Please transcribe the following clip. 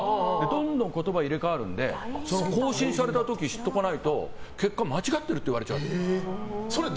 言葉が入れ替わるので更新された時、知っとかないと結果間違ってるっていわれる。